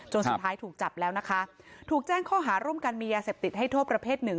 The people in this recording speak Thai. สุดท้ายถูกจับแล้วนะคะถูกแจ้งข้อหาร่วมกันมียาเสพติดให้โทษประเภทหนึ่ง